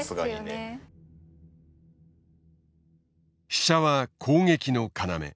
飛車は攻撃の要。